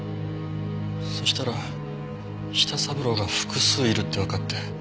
そしたら舌三郎が複数いるってわかって。